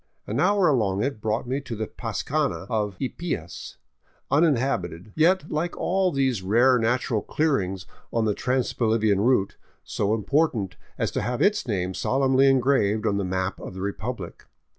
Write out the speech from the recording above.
An hour along it brought me to the pascana of Ypias, uninhabited, yet like all these rare natural clearings on the trans Bolivian route, so important as to have its name solemnly engraved on the map of the republic.